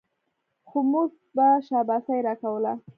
خو مور به شاباسي راکوله.